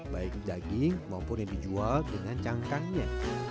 baik daging maupun yang dijual dengan cangkangnya